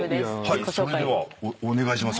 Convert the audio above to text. それではお願いします。